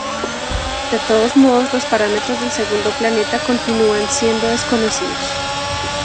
De todos modos, los parámetros del segundo planeta continúan siendo desconocidos.